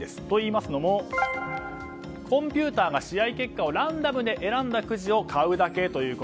といいますのもコンピューターが試合結果をランダムで選んだくじを買うだけ。